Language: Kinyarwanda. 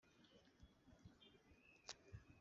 Umwanzi aherako aramureka